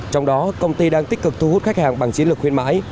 trong đó công ty đang tích cực thu hút khách hàng bằng chiến lược khuyên mãi